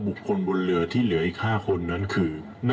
บุคคลบนเรือที่เหลืออีก๕คนนั้นคือ